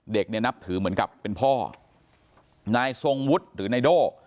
เด็กเนี่ยนับถือเหมือนกับเป็นพ่อนายทรงวุฒิหรือนายโด่